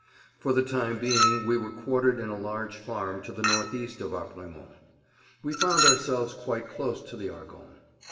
For the time being we were quartered in a large farm to the northeast of Apremont. We found ourselves quite close to the Argonnes.